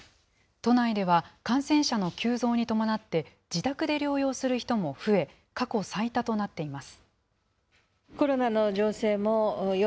都内では感染者の急増に伴って、自宅で療養する人も増え、過去最多となっています。